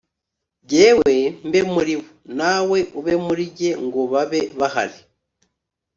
Jyewe mbe muri bo nawe ube muri jye ngo babe bahari